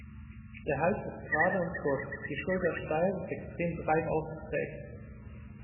Der Hals ist gerade und kurz, die Schulter steil und extrem breit ausgeprägt.